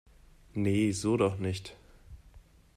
Nee, so doch nicht